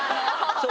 そう！